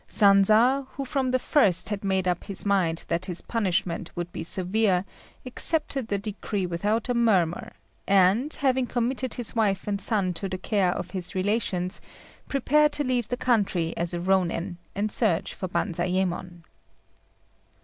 Sanza, who from the first had made up his mind that his punishment would be severe, accepted the decree without a murmur; and, having committed his wife and son to the care of his relations, prepared to leave the country as a Rônin and search for Banzayémon.